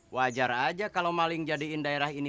wajar aja kalau maling jadiin daerah ini